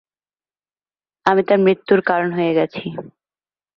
আমি তার মৃত্যুর কারণ হয়ে গেছি।